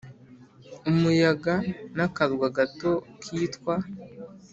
umuyaga n akarwa gato kitwa